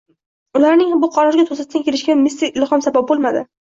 Ularning bu qarorga to‘satdan kelishiga mistik ilhom sabab bo‘lmadi